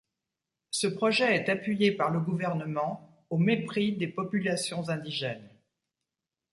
Ce projet est appuyé par le gouvernement, au mépris des populations indigènes.